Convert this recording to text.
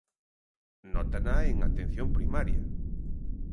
Nótana en Atención Primaria.